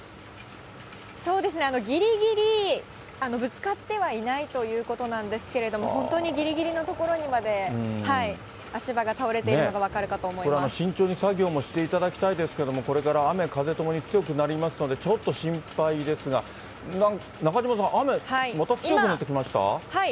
そうですね、ぎりぎりぶつかってはいないということなんですけれども、本当にぎりぎりの所にまで足場が倒れているのが分かるかと思いまこれ、慎重に作業もしていただきたいですけれども、これから雨風ともに強くなりますので、ちょっと心配ですが、中島さん、雨、また強くなってきました？